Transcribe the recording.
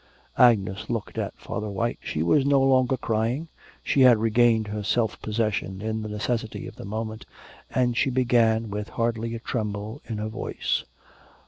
Agnes looked at Father White, she was no longer crying, she had regained her self possession in the necessity of the moment, and she began with hardly a tremble In her voice.